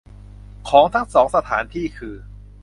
ของทั้งสองสถานที่คือ